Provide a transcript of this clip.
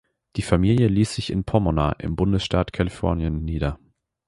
Die Familie ließ sich in Pomona im Bundesstaat Kalifornien nieder.